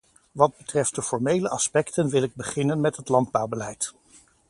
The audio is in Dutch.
Wat betreft de formele aspecten wil ik beginnen met het landbouwbeleid.